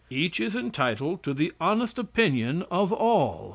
Each is entitled to the honest opinion of all.